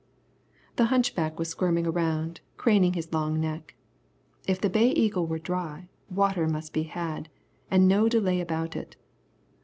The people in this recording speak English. The hunchback was squirming around, craning his long neck. If the Bay Eagle were dry, water must be had, and no delay about it.